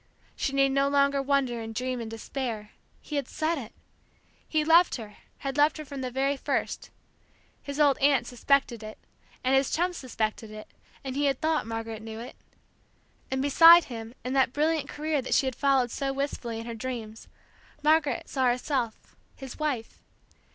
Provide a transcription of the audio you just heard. She need no longer wonder and dream and despair: he had said it. He loved her, had loved her from the very first. His old aunt suspected it, and his chum suspected it, and he had thought Margaret knew it. And beside him in that brilliant career that she had followed so wistfully in her dreams, Margaret saw herself, his wife.